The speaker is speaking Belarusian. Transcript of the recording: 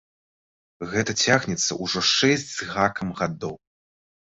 Гэта цягнецца ўжо шэсць з гакам гадоў!